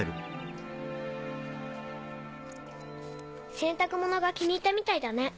洗濯物が気に入ったみたいだね。